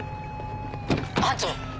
班長。